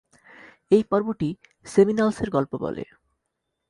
এই পর্বটি সেমিনালসের গল্প বলে।